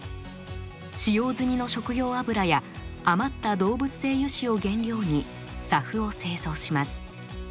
使用済みの食用油や余った動物性油脂を原料にＳＡＦを製造します。